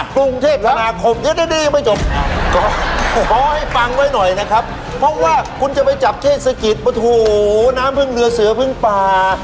กรุงเทพธนาคมยังดียังไม่จบขอให้ฟังไว้หน่อยนะครับเพราะว่าคุณจะไปจับเทศกิจโอ้โหน้ำพึ่งเรือเสือพึ่งป่า